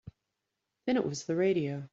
Then it was the radio.